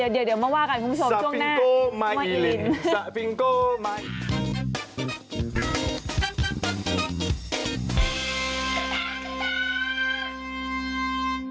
เดี๋ยวมาว่ากันคุณผู้ชมช่วงหน้า